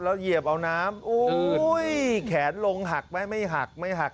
เหยียบเอาน้ำแขนลงหักไหมไม่หักไม่หัก